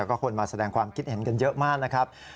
ก็คนมาแสดงความคิดเห็นกันเยอะมากนะครับ